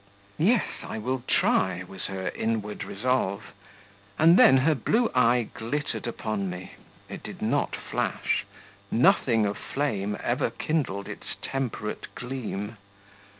"Yes, I will try," was her inward resolve; and then her blue eye glittered upon me it did not flash nothing of flame ever kindled in its temperate gleam.